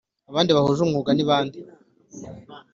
abandi bahuje umwuga nibande